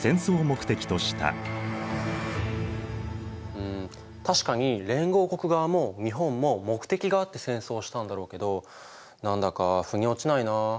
うん確かに連合国側も日本も目的があって戦争をしたんだろうけど何だかふに落ちないなあ。